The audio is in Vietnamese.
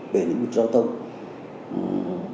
về lĩnh vực giao tâm